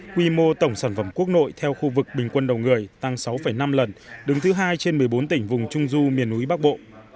quy mô tổng sản phẩm quốc nội theo khu vực bình quân đầu người tăng sáu năm lần đứng thứ hai trên một mươi bốn tỉnh vùng trung du miền núi bắc bộ